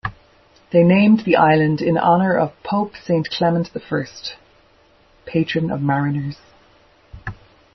They named the island in honor of Pope Saint Clement I, patron of mariners.